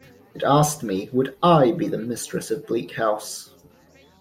It asked me, would I be the mistress of Bleak House.